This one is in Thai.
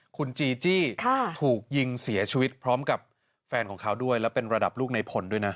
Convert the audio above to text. คุณจีจี้ถูกยิงเสียชีวิตพร้อมกับแฟนของเขาด้วยและเป็นระดับลูกในพลด้วยนะ